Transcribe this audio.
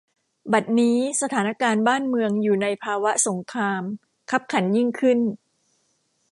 บัดนี้ สถานะการณ์บ้านเมืองอยู่ในภาวะสงครามคับขันยิ่งขึ้น